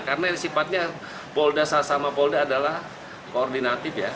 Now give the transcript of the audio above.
karena sifatnya polda sama polda adalah koordinatif ya